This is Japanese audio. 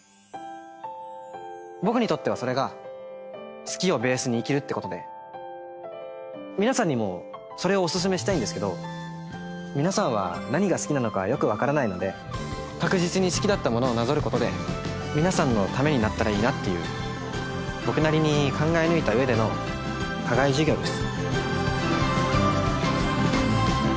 僕にとってはそれが好きをベースに生きるってことで皆さんにもそれをおすすめしたいんですけど皆さんは何が好きなのかよく分からないので確実に好きだったものをなぞることで皆さんのためになったらいいなっていう僕なりに考え抜いた上での課外授業です。